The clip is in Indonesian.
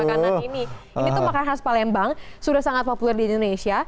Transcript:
makanan ini tuh makanan khas palembang sudah sangat populer di indonesia